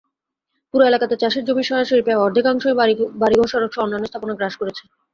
পুরো এলাকাতে চাষের জমির সরাসরি প্রায় অর্ধেকাংশই বাড়ি-ঘর-সড়কসহ অন্যান্য স্থাপনা গ্রাস করেছে।